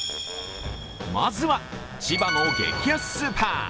まずは、千葉の激安スーパー。